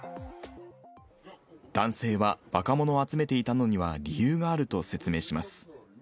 男性は若者を集めていたのには理由があると説明します。